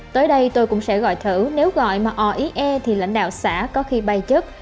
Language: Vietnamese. tới đây tôi cũng sẽ gọi thử nếu gọi mà oie thì lãnh đạo xã có khi bay chất